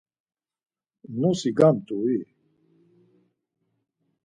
Nosi gamt̆u-i?